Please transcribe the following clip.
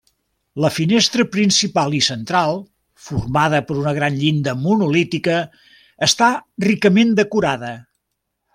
La finestra principal i central, formada per una gran llinda monolítica, està ricament decorada.